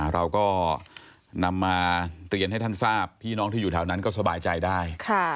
เราก็นำมาเรียนให้ท่านทราบพี่น้องที่อยู่แถวนั้นก็สบายใจได้